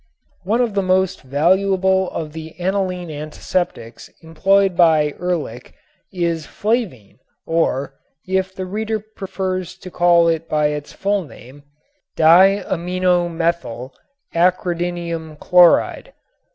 One of the most valuable of the aniline antiseptics employed by Ehrlich is flavine or, if the reader prefers to call it by its full name, diaminomethylacridinium chloride.